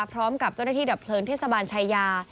พร้อมกับเจ้าหน้าที่ดับเพลิงเทศบาลชายา